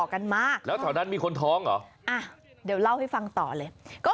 กันมาแล้วแถวนั้นมีคนท้องเหรออ่ะเดี๋ยวเล่าให้ฟังต่อเลยก็